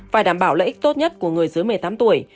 phải đảm bảo lợi ích tốt nhất của người dưới một mươi tám tuổi